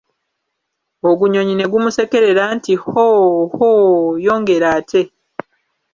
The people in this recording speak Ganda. Ogunyonyi ne gumusekerera nti Hoo, hoo, yongera ate!